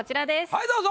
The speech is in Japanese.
はいどうぞ！